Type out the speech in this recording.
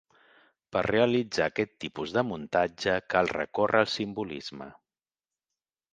Per realitzar aquest tipus de muntatge cal recórrer al simbolisme.